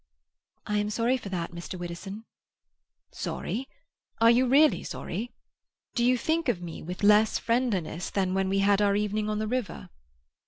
"I am sorry for that, Mr. Widdowson." "Sorry? Are you really sorry? Do you think of me with less friendliness than when we had our evening on the river?"